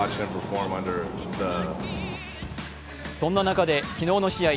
そんな中で昨日の試合